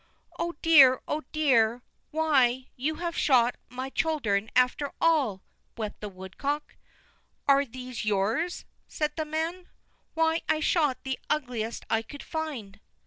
"Oh, dear, oh, dear! Why, you have shot my children after all!" wept the woodcock. "Are these yours?" said the man. "Why, I shot the ugliest I could find."